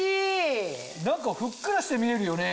何かふっくらして見えるよね。